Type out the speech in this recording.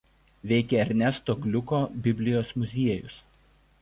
Veikia Ernesto Gliuko Biblijos muziejus.